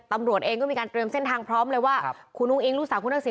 ตำรวจเองก็มีการเตรียมเส้นทางพร้อมเลยว่าคุณอุ้งอิงลูกสาวคุณทักษิ